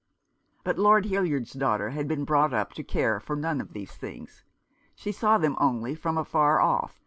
But Lord Hildyard"s daughter had been brought up to care for none of these things. She sa r .v them only from afar off.